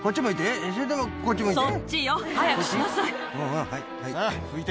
はいはい。